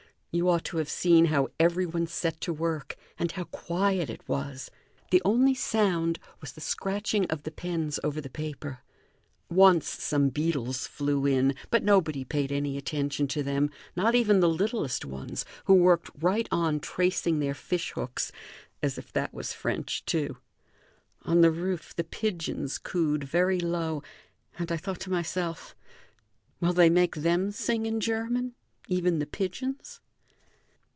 You ought to have seen how every one set to work, and how quiet it was! The only sound was the scratching of the pens over the paper. Once some beetles flew in; but nobody paid any attention to them, not even the littlest ones, who worked right on tracing their fish hooks, as if that was French, too. On the roof the pigeons cooed very low, and I thought to myself: "Will they make them sing in German, even the pigeons?"